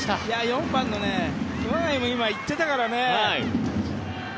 ４番の熊谷も今、行ってたからね。